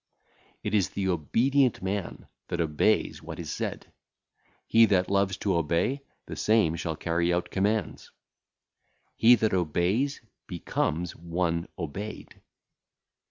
It is the obedient man that obeyeth what is said; he that loveth to obey, the same shall carry out commands. He that obeyeth becometh one obeyed.